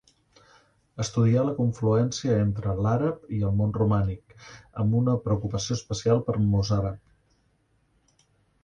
Estudià la confluència entre l'àrab i el món romànic, amb una preocupació especial pel mossàrab.